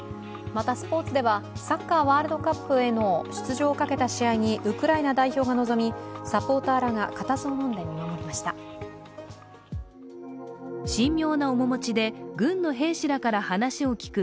またスポーツではサッカーワールドカップでの出場をかけた試合にウクライナ代表が臨み、神妙な面持ちで軍の兵士らから話を聞く